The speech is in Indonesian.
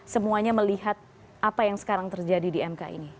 semuanya melihat apa yang sekarang terjadi di mk ini